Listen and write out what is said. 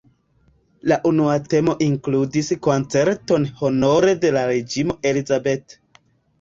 La unua temo inkludis koncerton honore de la reĝino "Elizabeth".